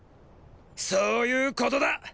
そういうことだ。